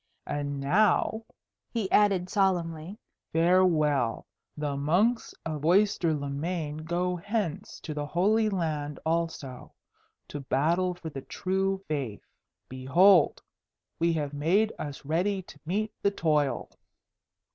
"And now," he added solemnly, "farewell. The monks of Oyster le Main go hence to the Holy Land also, to battle for the true Faith. Behold! we have made us ready to meet the toil."